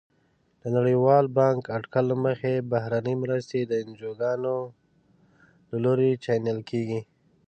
د نړیوال بانک اټکل له مخې بهرنۍ مرستې د انجوګانو له لوري چینل کیږي.